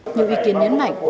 nhiều ý kiến nhấn mạnh